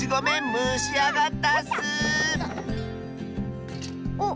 むしあがったッスおっ。